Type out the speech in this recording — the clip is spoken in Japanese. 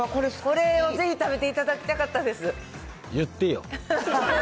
これをぜひ食べていただきたかったです。